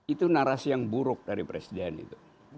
itu narasi yang buruk dari presiden itu